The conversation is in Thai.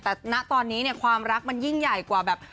แต่ณตอนนี้เนี่ยความรักมันยิ่งใหญ่กว่าแบบ